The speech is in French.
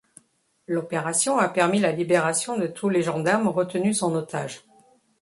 L'opération a permis la libération de tous les gendarmes retenus en otages.